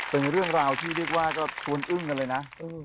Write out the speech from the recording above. เป็นเรื่องราวที่เรียกว่าก็ชวนอึ้งกันเลยนะ